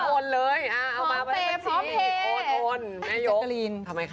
โอนเลยเอามาเป็นพันทีโอนแม่โยก